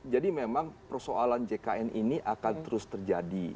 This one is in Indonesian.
jadi memang persoalan jkn ini akan terus terjadi